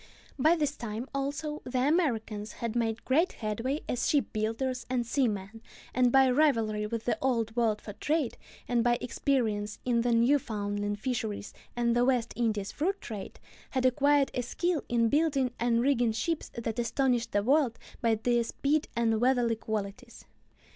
By this time, also, the Americans had made great headway as ship builders and seamen, and by rivalry with the Old World for trade, and by experience in the Newfoundland fisheries and the West Indies fruit trade, had acquired a skill in building and rigging ships that astonished the world by their speed and weatherly qualities.